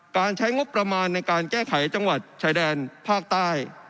ใช้งบประมาณในการแก้ไขจังหวัดชายแดนภาคใต้